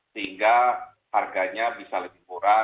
sehingga harganya bisa lebih murah